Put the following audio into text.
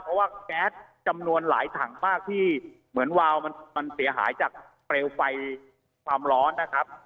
เพราะว่าแก๊สจำนวนหลายถังมากที่เหมือนวาวมันเสียหายจากเปลวไฟความร้อนนะครับ